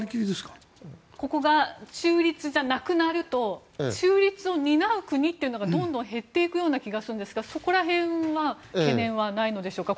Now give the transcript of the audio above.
ここが中立じゃなくなると中立を担う国がどんどん減っていく気がするんですがそこら辺懸念はないんでしょうか？